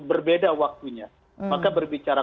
berbeda waktunya maka berbicara